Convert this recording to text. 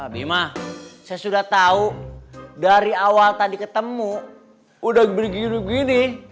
bima saya sudah tahu dari awal tadi ketemu udah begini